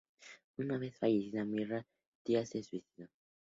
Una vez fallecida Mirra, Tías se suicidó.